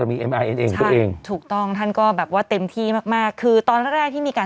เรามีตัวเองถูกต้องท่านก็แบบว่าเต็มที่มากมากคือตอนแรกที่มีการ